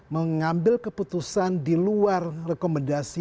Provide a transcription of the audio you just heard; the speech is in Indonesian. mengambil keputusan di luar rekomendasi